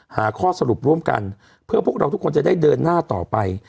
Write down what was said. หาข้อสรุปร่วมกันเพื่อพวกเราทุกคนจะได้เดินหน้าต่อไป